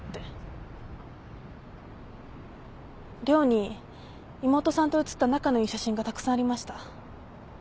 寮に妹さんと写った仲のいい写真がたくさんありました。